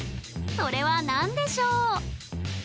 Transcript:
それは何でしょう？